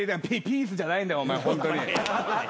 ピースじゃないんだよお前ホントに。